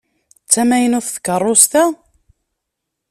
D tamaynut tkeṛṛust-a?